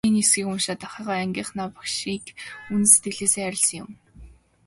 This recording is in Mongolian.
Би энэ хэсгийг уншаад ахыгаа, ангийнхаа багшийг үнэн сэтгэлээсээ хайрласан юм.